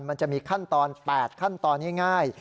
มันจะมีขั้นตอน๘ขั้นตอนง่าย